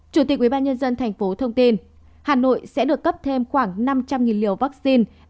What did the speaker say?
chủ tịch ubnd tp thông tin hà nội sẽ được cấp thêm khoảng năm trăm linh liều vaccine